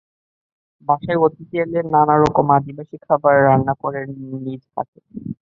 বাসায় অতিথি এলে নানা রকম আদিবাসী খাবার রান্না করেন নিজ হাতে।